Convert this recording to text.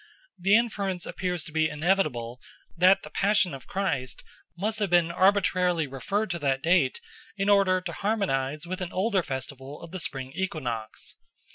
The inference appears to be inevitable that the passion of Christ must have been arbitrarily referred to that date in order to harmonise with an older festival of the spring equinox.